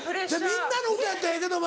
みんなの歌やったらええけども。